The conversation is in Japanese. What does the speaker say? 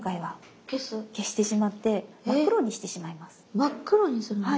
真っ黒にするんです？